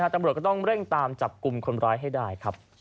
ตำรวจก็ต้องเร่งตามจับกลุ่มคนร้ายให้ได้ครับ